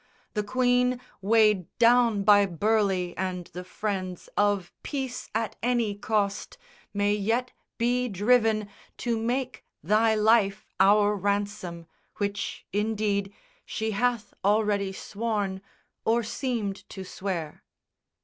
The Queen, weighed down by Burleigh and the friends Of peace at any cost, may yet be driven To make thy life our ransom, which indeed She hath already sworn, or seemed to swear."